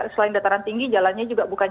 selain dataran tinggi jalannya juga bukan